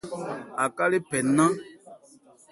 Aká le phɛ́ ńnán.